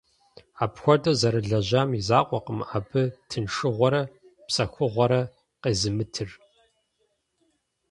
Апхуэдэу зэрылажьэм и закъуэкъым абы тыншыгъуэрэ псэхугъуэрэ къезымытыр.